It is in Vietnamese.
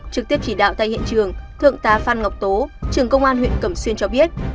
trực tiếp chỉ đạo tại hiện trường thượng tá phan ngọc tố trường công an huyện cẩm xuyên cho biết